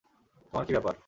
তোমার কী ব্যাপার?